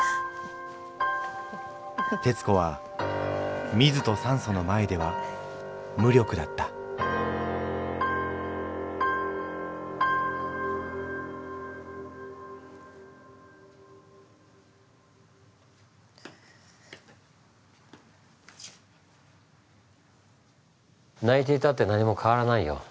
テツコはミズとサンソの前では無力だった泣いていたって何も変わらないよ。